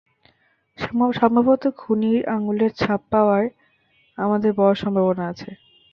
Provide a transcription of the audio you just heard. সম্ভবত খুনির আঙুলের ছাপ পাওয়ার আমাদের বড় সম্ভাবনা আছে।